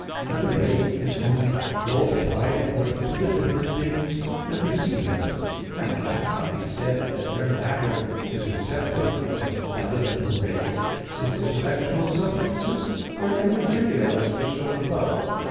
But a ray is only multiplied according to the different things that receive it. Now it cannot be said that their matter is receptive of an intelligible ray, since intellectual substances are immaterial, as was shown above (A.